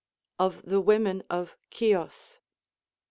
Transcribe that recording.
Of the Women of Cios.